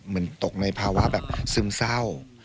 เหมือนตกในภาวะแบบซึมเศร้า